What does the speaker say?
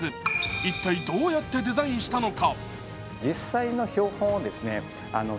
一体どうやってデザインしたのか？